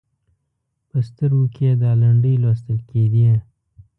په سترګو کې یې دا لنډۍ لوستل کېدې: